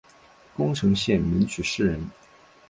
宫城县名取市人。